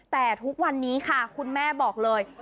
แต่ทุกวันนี้ค่ะคุณแม่บอกเลย